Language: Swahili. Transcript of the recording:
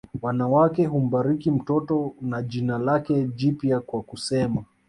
Wanawake humbariki mtoto na jina lake jipya kwa kusema